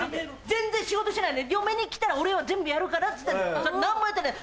全然仕事してない「嫁に来たら俺は全部やるから」っつったんだよ何もやってない。